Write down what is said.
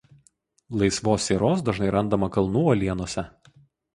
Laisvos sieros dažnai randama kalnų uolienose.